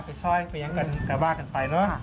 ไปช้อยไปยังกันไปว่ากันไป